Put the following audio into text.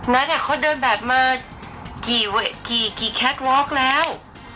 เขาเดินแบบมากี่แคทวอคแล้ว